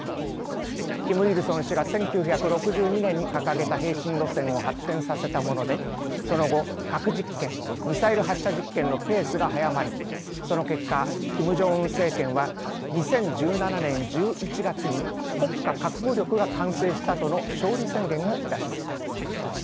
キム・イルソン氏が１９６２年に掲げた並進路線を発展させたものでその後核実験ミサイル発射実験のペースが速まりその結果キム・ジョンウン政権は２０１７年１１月に国家核武力が完成したとの勝利宣言を出しました。